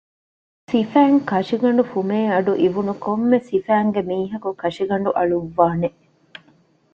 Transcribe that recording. ސިފައިން ކަށިގަނޑު ފުމޭ އަޑު އިވުނު ކޮންމެ ސިފައިންގެ މީހަކު ކަށިގަނޑު އަޅުއްވާނެ